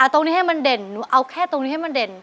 ตรงนี้ให้มันเด่นหนูเอาแค่ตรงนี้ให้มันเด่น